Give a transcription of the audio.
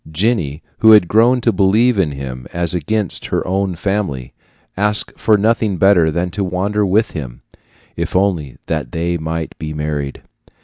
Jenny, who had grown to believe in him as against her own family, asked for nothing better than to wander with him, if only they might be married.